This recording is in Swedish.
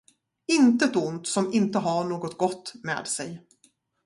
Intet ont som inte har något gott med sig.